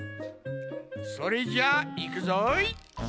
それじゃいくぞい！